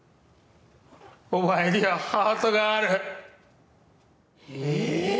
お前にはハートがあるええっ